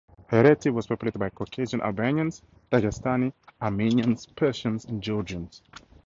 Hereti was populated by Caucasian Albanians, Dagestani, Armenians, Persians and Georgians.